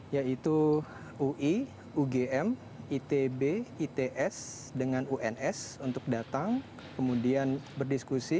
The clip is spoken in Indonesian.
yaitu ui ugm itb its dengan uns untuk datang kemudian berdiskusi